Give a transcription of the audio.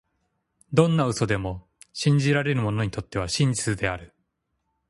どんな嘘でも、信じられる者にとっては真実である。